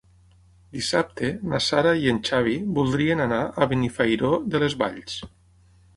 Dissabte na Sara i en Xavi voldrien anar a Benifairó de les Valls.